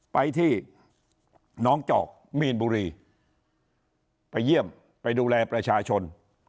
ไปที่น้องจอกมีนบุรีไปเยี่ยมไปดูแลประชาชน